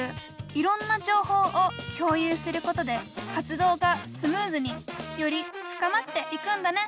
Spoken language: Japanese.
いろんな情報を共有することで活動がスムーズにより深まっていくんだね。